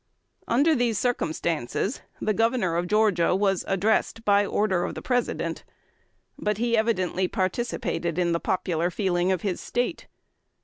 " Under these circumstances, the Governor of Georgia was addressed, by order of the President; but he evidently participated in the popular feeling of his State.